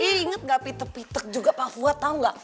ih inget gak pitek pitek juga pak fuad tau gak